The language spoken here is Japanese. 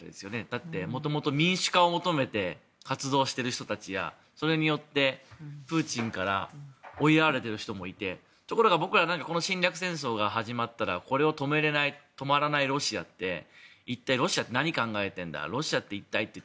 だって、もともと民主化を求めて活動している人たちやそれによって、プーチンから追いやられている人もいてところがこの侵略戦争が始まったらこれを止められない止まらないロシアって何考えているんだ一体と。